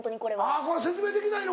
あこれ説明できないのか。